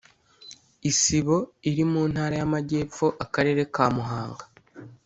isibo iri mu ntara y amajyepfo akarere kamuhanga